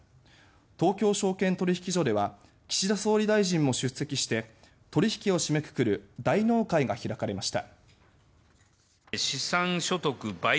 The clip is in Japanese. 東京証券取引所では岸田総理大臣も出席して取引を締めくくる大納会が開かれました。